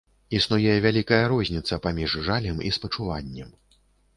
Існуе вялікая розніца паміж жалем і спачуваннем.